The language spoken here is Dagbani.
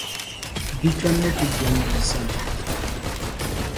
bikpɛm’ ni ti jɛm bia sani.